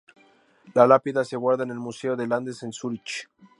La lápida se guarda en el museo de Landes en Zúrich.